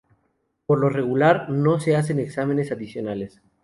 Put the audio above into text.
Por lo regular, no se hacen exámenes adicionales.